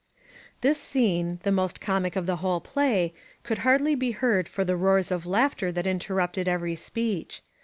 This scene, the most comic of the whole play, could hardly be heard for the roars of laughter that inter rupted every speech.